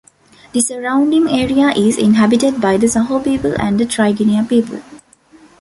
The surrounding area is inhabited by the Saho people and the Tigrinya people.